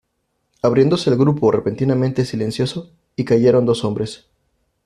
abrióse el grupo repentinamente silencioso, y cayeron dos hombres.